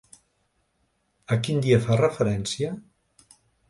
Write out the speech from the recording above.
A quin dia fa referència?